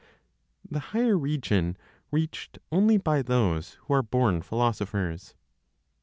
THE HIGHER REGION REACHED ONLY BY THOSE WHO ARE BORN PHILOSOPHERS.